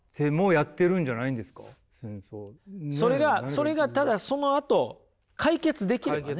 それがただそのあと解決できればね